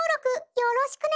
よろしくね！